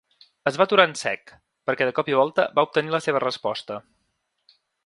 Es va aturar en sec, perquè de cop i volta va obtenir la seva resposta.